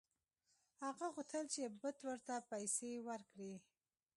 هغه غوښتل چې بت ورته پیسې ورکړي.